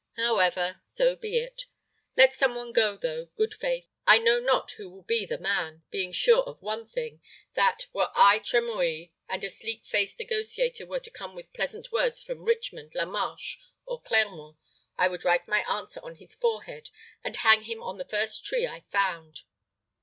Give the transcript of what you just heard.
However, so be it. Let some one go, though, good faith, I know not who will be the man, being sure of one thing, that, were I Tremouille, and a sleek faced negotiator were to come with pleasant words from Richmond, La Marche, or Clermont, I would write my answer on his forehead, and hang him on the first tree I found.